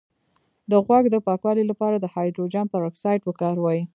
د غوږ د پاکوالي لپاره د هایدروجن پر اکسایډ وکاروئ